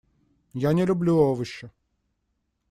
Я не люблю овощи.